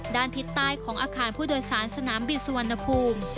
ด้านทิศใต้ของอาคารผู้โดยสารสนามบินสุวรรณภูมิ